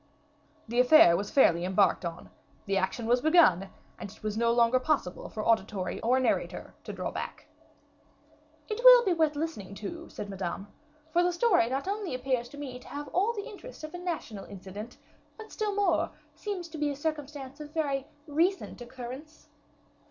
The affair was fairly embarked on; the action was begun, and it was no longer possible for auditory or narrator to draw back. "It will be worth listening to," said Madame; "for the story not only appears to me to have all the interest of a national incident, but still more, seems to be a circumstance of very recent occurrence."